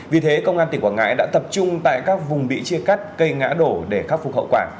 vì thế công an tỉnh quảng ngãi đã tập trung tại các vùng bị chia cắt cây ngã đổ để khắc phục hậu quả